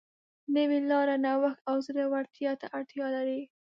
نوې لاره نوښت او زړهورتیا ته اړتیا لري.